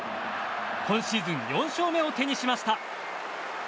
今シーズン４勝目を手にしました。